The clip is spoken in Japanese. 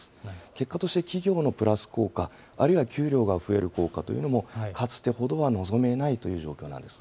結果として、企業のプラス効果、あるいは給料が増える効果というのも、かつてほどは望めないという状況なんです。